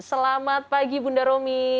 selamat pagi bunda romi